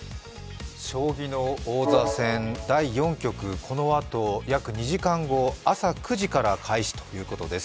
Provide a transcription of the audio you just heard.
将棋の王座戦第４局、このあと朝９時から開始ということです。